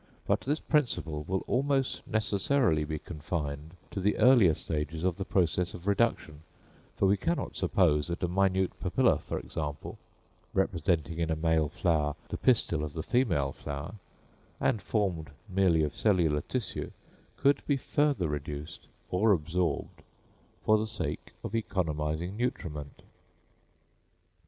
But this principle will almost necessarily be confined to the earlier stages of the process of reduction; for we cannot suppose that a minute papilla, for instance, representing in a male flower the pistil of the female flower, and formed merely of cellular tissue, could be further reduced or absorbed for the sake of economising nutriment.